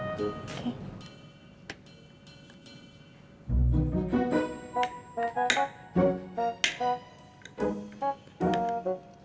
terus udah potong